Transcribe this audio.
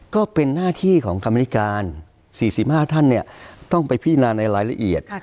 ก็เป็นหน้าที่ของกรรมนิการ๔๕ท่านต้องไปพินาในรายละเอียด